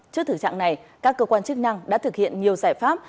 trước thử trạng này các cơ quan chức năng đã thực hiện nhiều giải pháp